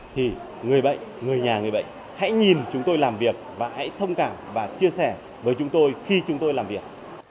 thì người bệnh người nhà người bệnh hãy nhìn chúng tôi làm việc và hãy thông cảm và chia sẻ với chúng tôi khi chúng tôi làm việc